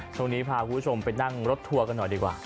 ช่วงนี้พาคุณผู้ชมไปนั่งรถทัวร์กันหน่อยดีกว่า